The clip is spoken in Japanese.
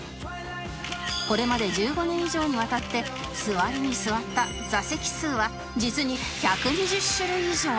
これまで１５年以上にわたって座りに座った座席数は実に１２０種類以上